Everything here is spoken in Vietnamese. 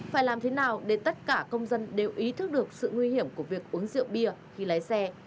phải làm thế nào để tất cả công dân đều ý thức được sự nguy hiểm của việc uống rượu bia khi lái xe